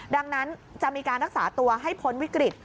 ดังนั้นจะมีการรักษาตัวให้พ้นวิกฤต